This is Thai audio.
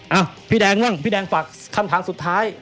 เอ้าพี่แดงบ้างพี่แดงฝากขั้นทางสุดท้าย